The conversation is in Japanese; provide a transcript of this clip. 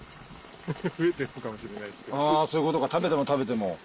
あぁそういうことか食べても食べても。